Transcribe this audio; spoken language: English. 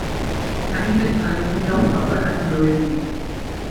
Uneven alignment of upper and lower teeth.